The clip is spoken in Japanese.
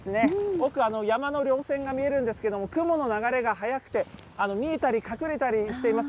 奥、山のりょう線が見えるんですけれども、雲の流れが速くて、見えたり隠れたりしています。